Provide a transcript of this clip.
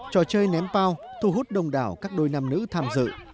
trò chơi ném pao thu hút đông đảo các đôi nam nữ tham dự